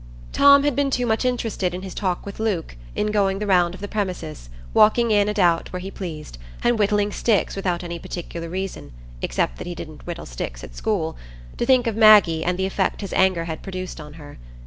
Tom had been too much interested in his talk with Luke, in going the round of the premises, walking in and out where he pleased, and whittling sticks without any particular reason,—except that he didn't whittle sticks at school,—to think of Maggie and the effect his anger had produced on her.